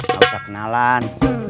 gak usah kenalan